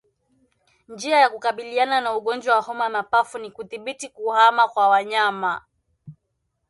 Njia ya kukabiliana na ugonjwa wa homa ya mapafu ni kudhibiti kuhama kwa wanyama